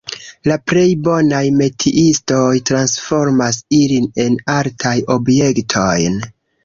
La plej bonaj metiistoj transformas ilin en artaj objektojn.